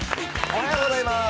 おはようございます。